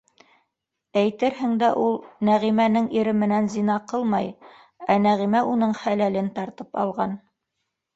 Әйтерһең дә ул Нәғимәнең ире менән зина ҡылмай, ә Нәғимә уның хәләлен тартып алған.